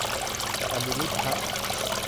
อะมีรุ้ลฮัจย์